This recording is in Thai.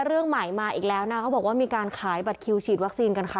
เรื่องใหม่มาอีกแล้วนะเขาบอกว่ามีการขายบัตรคิวฉีดวัคซีนกันค่ะ